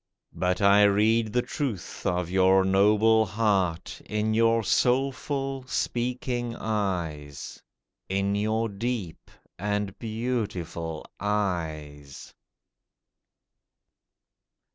But I read the truth of your noble heart In your soulful, speaking eyes— In your deep and beautiful eyes.